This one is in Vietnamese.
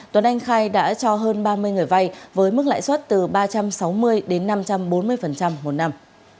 tuấn anh khai đã cho hơn ba mươi người vay với mức lãi suất từ ba trăm sáu mươi đến năm trăm bốn mươi một năm